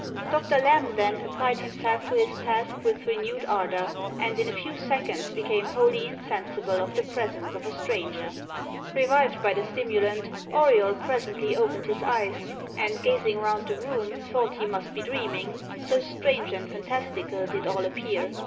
Doctor Lamb then applied himself to his task with renewed ardour, and in a few seconds became wholly insensible of the presence of a stranger. Revived by the stimulant, Auriol presently opened his eyes, and gazing round the room, thought he must be dreaming, so strange and fantastical did all appear.